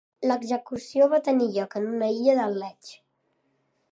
L'execució va tenir lloc en una illa del Lech.